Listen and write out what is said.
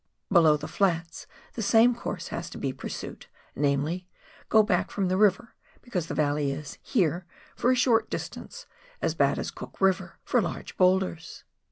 Below the flats the same course has to be pursued, namely, go back from the river, because the valley is, here — for a short distance — as bad as Cook River for large boulders.